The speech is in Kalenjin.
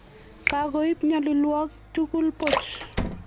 Kakoib nyalilwakik tugul buch